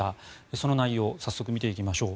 その内容早速見ていきましょう。